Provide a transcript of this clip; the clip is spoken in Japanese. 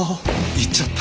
言っちゃった。